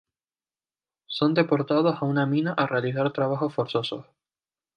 Son deportados a una mina a realizar trabajos forzosos.